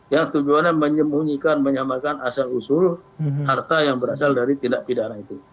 yang tujuannya menyembunyikan menyamakan asal usul harta yang berasal dari tindak pidana itu